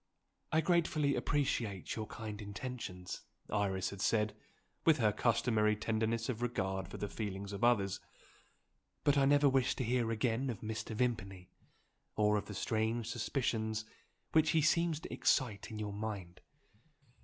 "I gratefully appreciate your kind intentions," Iris had said, with her customary tenderness of regard for the feelings of others; "but I never wish to hear again of Mr. Vimpany, or of the strange suspicions which he seems to excite in your mind."